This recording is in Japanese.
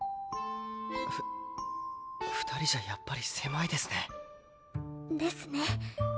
ふ２人じゃやっぱり狭いですね。ですね。